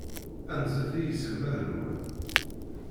Anzet i yiselmaden-nwen.